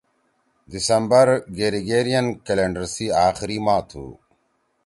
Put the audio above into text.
دسمبر گریگیرئن کیلنڈر سی آخری ماہ تُھو۔